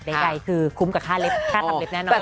ใดคือคุ้มกับค่าทำเล็บแน่นอน